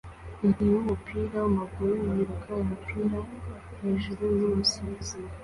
Umukinnyi wumupira wamaguru yiruka umupira hejuru yumusifuzi